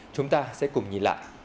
chúng ta sẽ cùng nhìn lại